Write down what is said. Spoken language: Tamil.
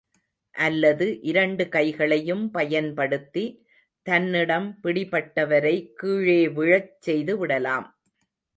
அல்லது இரண்டு கைகளையும் பயன்படுத்தி தன்னிடம் பிடிபட்டவரை கீழே விழச் செய்துவிடலாம்.